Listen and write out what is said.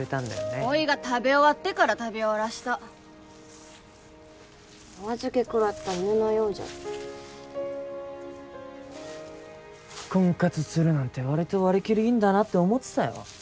おいが食べ終わってから食べよらしたおあずけ食らった犬のようじゃった婚活するなんてわりと割り切りいいんだなって思ってたよ